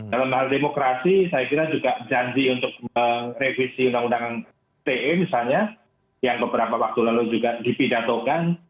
dalam hal demokrasi saya kira juga janji untuk merevisi undang undang te misalnya yang beberapa waktu lalu juga dipidatokan